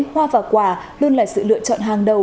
hoa và quả luôn là sự lựa chọn hàng đầu